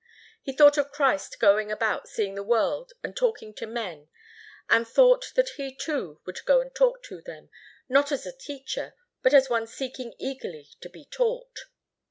He thought of Christ going about seeing the world and talking to men, and thought that he too would go and talk to them, not as a teacher, but as one seeking eagerly to be taught.